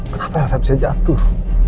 kenapa elsa bisa jatuh